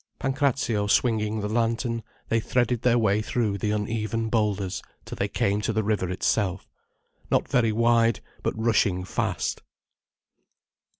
Pancrazio swinging the lantern, they threaded their way through the uneven boulders till they came to the river itself—not very wide, but rushing fast.